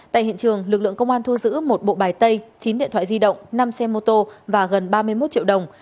tại hiện trường lực lượng công an thu giữ một bộ bài tay chín điện thoại di động năm xe mô tô và gần ba mươi một triệu đồng